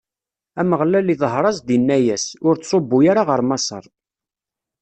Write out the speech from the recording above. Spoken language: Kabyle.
Ameɣlal iḍher-as-d, inna-as: Ur ttṣubbu ara ɣer Maṣer.